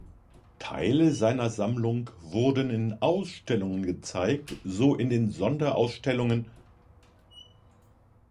Teile seiner Sammlung wurden in Ausstellungen gezeigt, so in den Sonderausstellungen